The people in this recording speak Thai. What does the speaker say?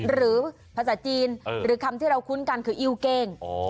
หรือภาษาจีนหรือคำที่เราคุ้นกันคืออิ้วเก้ง